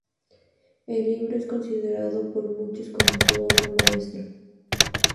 El libro es considerado por muchos como su obra maestra.